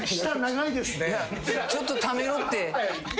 ちょっとためろって。